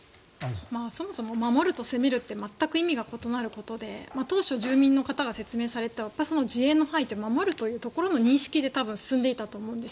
そもそも守ると攻めるってまったく意味が違うことで当時、住民の人が説明された自衛の範囲ということで進んでいたと思うんです。